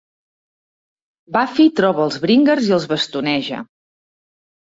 Buffy troba els Bringers i els bastoneja.